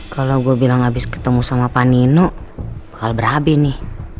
kalau gue bilang abis ketemu sama pak nino bakal berhabi nih